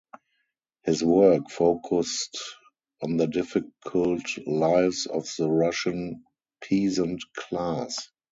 His work focused on the difficult lives of the Russian peasant class.